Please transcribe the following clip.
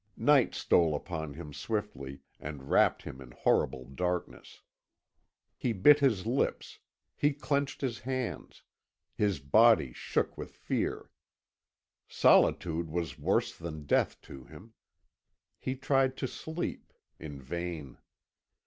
Night stole upon him swiftly, and wrapt him in horrible darkness. He bit his lips, he clenched his hands, his body shook with fear. Solitude was worse than death to him. He tried to sleep; in vain.